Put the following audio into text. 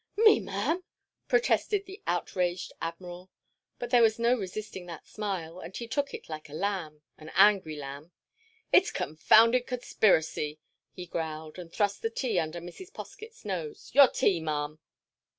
"Me, Ma'am!" protested the outraged Admiral; but there was no resisting that smile, and he took it like a lamb—an angry lamb. "It's a confounded conspiracy," he growled. He thrust the tea under Mrs. Poskett's nose. "Your tea, Ma'am!"